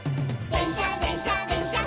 「でんしゃでんしゃでんしゃっ